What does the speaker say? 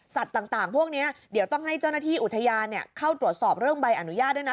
ต่างพวกนี้เดี๋ยวต้องให้เจ้าหน้าที่อุทยานเข้าตรวจสอบเรื่องใบอนุญาตด้วยนะ